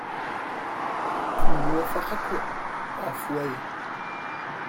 Nemwafaq akk ɣef waya.